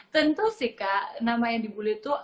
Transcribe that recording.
tentu sih kak nama yang dibully itu